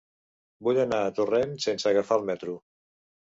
Vull anar a Torrent sense agafar el metro.